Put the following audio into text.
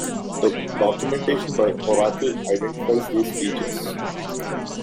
The documentation by Oracle identifies these features.